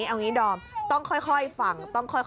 เอางี้ดอมต้องค่อยฟัง